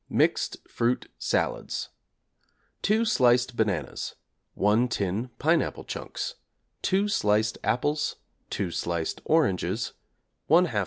Mixed Fruit Salads= 2 sliced bananas, 1 tin pineapple chunks, 2 sliced apples, 2 sliced oranges, 1/2 lb.